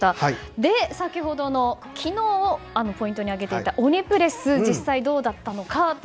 で、先ほどの昨日ポイントに挙げていた鬼プレス、実際にどうだったのか。